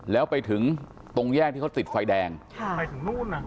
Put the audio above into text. แล้วไปถึงตรงแยกที่เขาติดไฟแดงค่ะไปถึงนู่นน่ะ